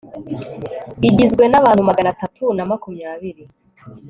igizwe n'abantu magana atatu na makumyabiri